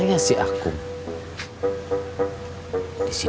nih bolok ke dalam